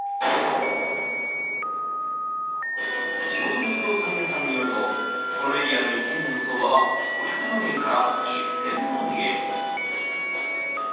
地元の不動産屋さんによるとこのエリアの一軒家の相場は５００万円から１０００万円。